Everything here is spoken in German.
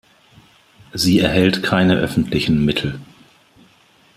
Sie erhält keine öffentlichen Mittel.